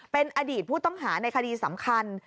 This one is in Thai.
เป็นอดีตผู้ต้องหาในคดีสำคัญ